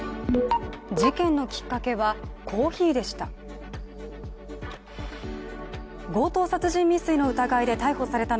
事件のきっかけはコーヒーでした。